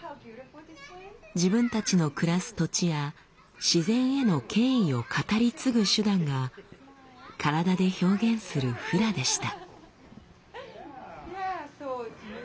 自分たちの暮らす土地や自然への敬意を語り継ぐ手段が体で表現するフラでした。